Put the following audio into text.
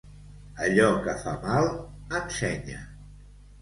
Allò que fa mal, ensenya.